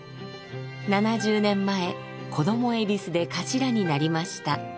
７０年前子どもえびすで頭になりました。